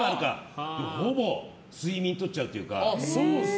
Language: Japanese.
ほぼ睡眠とっちゃうというか。